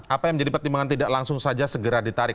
apa yang menjadi pertimbangan tidak langsung saja segera ditarik